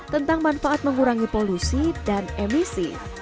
tentang manfaat mengurangi polusi dan emisi